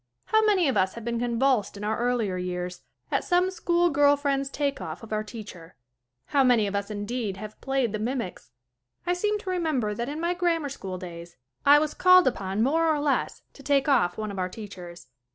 How many of us have been convulsed in our earlier years at some school girl friend's take off of our teacher ? How many of us, indeed, have played the mimics ? I seem to remember that in my grammar school days I was called upon more or less to take off one of our teachers.